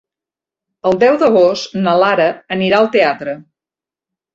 El deu d'agost na Lara anirà al teatre.